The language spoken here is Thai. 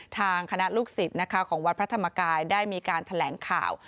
ทางคณะลูกศิษย์ของวัดพระธรรมกายได้มีการแถลงข่าว